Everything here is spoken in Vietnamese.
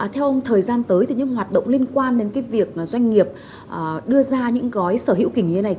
theo ông thời gian tới thì những hoạt động liên quan đến cái việc doanh nghiệp đưa ra những gói sở hữu kinh nghiệm này